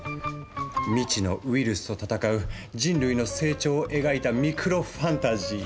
未知のウイルスと戦う人類の成長を描いたミクロファンタジー。